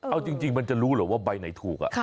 เอาจริงมันจะรู้เหรอว่าใบไหนถูก